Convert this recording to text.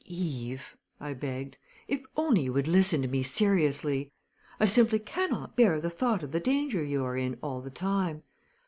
"Eve," I begged, "if only you would listen to me seriously! I simply cannot bear the thought of the danger you are in all the time.